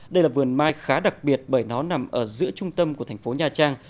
đây là vườn mai khá đặc biệt bởi nó nằm ở giữa trung tâm của thành phố nha trang